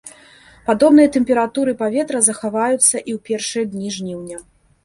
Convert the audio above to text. Падобныя тэмпературы паветра захаваюцца і ў першыя дні жніўня.